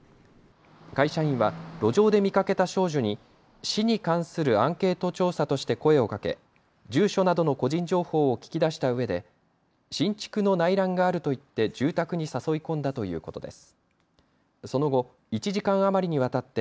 会社員は路上で見かけた少女に市に関するアンケート調査として声をかけ、住所などの個人情報を聞き出したうえで新築の内覧があると言って住宅に誘い込んだということです。